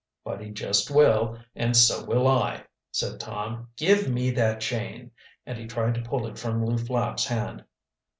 "But he just will, and so will I," said Tom. "Give me that chain," and he tried to pull it from Lew Flapp's hand.